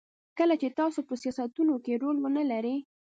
کله چې تاسو په سیاستونو کې رول ونلرئ.